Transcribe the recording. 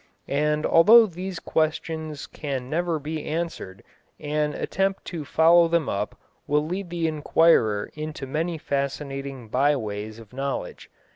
And although these questions can never be answered, an attempt to follow them up will lead the inquirer into many fascinating bye ways of knowledge.